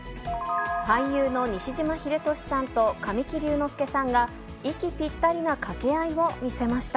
俳優の西島秀俊さんと神木隆之介さんが、息ぴったりな掛け合いを見せました。